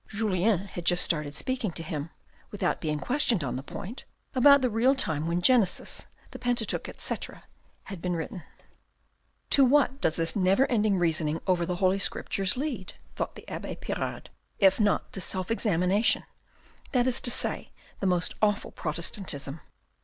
(Julien had just started speaking to him, without being questioned on the point, about the real time when Genesis, the Pentateuch, etc., has been written). " To what does this never ending reasoning over the Holy Scriptures lead to ?" thought the abbe Pirard, " if not to self examination, that is to say, the most awful Protestantism.